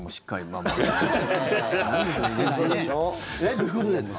どういうことですか？